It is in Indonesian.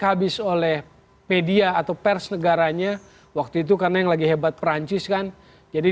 habis oleh media atau pers negaranya waktu itu karena yang lagi hebat perancis kan jadi